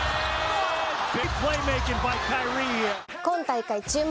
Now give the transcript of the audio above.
今大会注目！